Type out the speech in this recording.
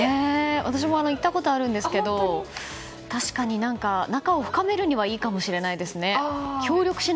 私も行ったことあるんですけど確かに何か仲を深めるにはいいかもしれないですね。